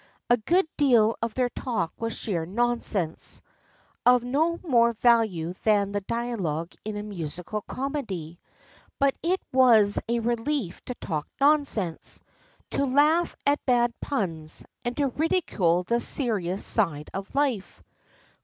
A good deal of their talk was sheer nonsense of no more value than the dialogue in a musical comedy but it was a relief to talk nonsense, to laugh at bad puns, and to ridicule the serious side of life.